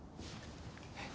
えっ？